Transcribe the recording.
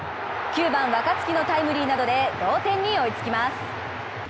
９番・若月のタイムリーなどで同点に追いつきます。